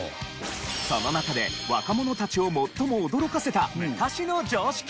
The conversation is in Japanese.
その中で若者たちを最も驚かせた昔の常識とは？